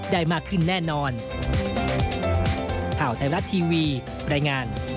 ได้มากขึ้นแน่นอน